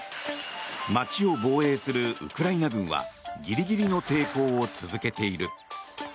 街を防衛するウクライナ軍はギリギリの抵抗を続けている。